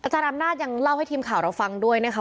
อำนาจยังเล่าให้ทีมข่าวเราฟังด้วยนะคะ